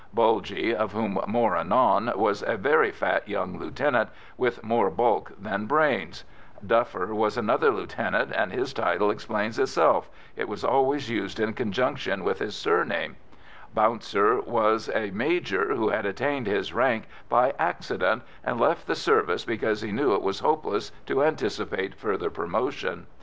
"Bulgy," of whom more anon, was a very fat young lieutenant with more bulk than brains; "Duffer" was another lieutenant, and his title explains itself it was always used in conjunction with his surname; "Bouncer" was a major who had attained his rank by accident, and left the service because he knew it was hopeless to anticipate further promotion.